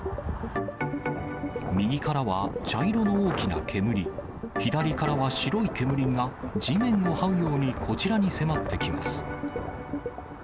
右からは茶色の大きな煙、左からは白い煙が地面をはうようにこちらに迫ってきます。